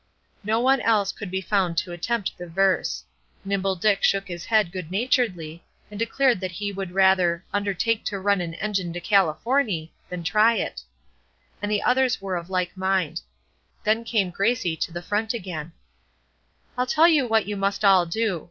No one else could be found to attempt the verse. Nimble Dick shook his head good naturedly, and declared that he would rather "undertake to run an engine to Californy" than try it; and the others were of like mind. Then came Gracie to the front again: "I'll tell you what you must all do.